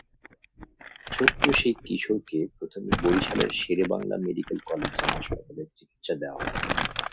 ছোট্ট সেই কিশোরকে প্রথমে বরিশালের শেরেবাংলা মেডিকেল কলেজ হাসপাতালে চিকিৎসা দেওয়া হয়।